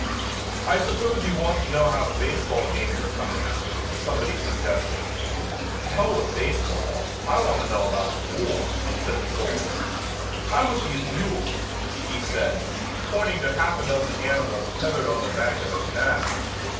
"I suppose you want to know how the baseball games are coming out," somebody suggested. "To hell with baseball, I want to know about the war," said the soldier. "I'm with these mules," he said, pointing to half a dozen animals tethered on the bank of a canal.